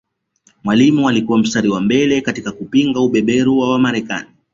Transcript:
Mwalimu alikuwa mstari wa mbele katika kupinga ubeberu wa Marekani